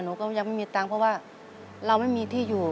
หนูก็ยังไม่มีตังค์เพราะว่าเราไม่มีที่อยู่